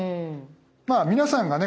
まあ皆さんがね